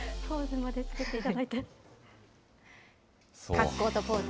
格好とポーズ。